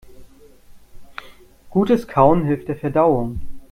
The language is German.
Gutes Kauen hilft der Verdauung.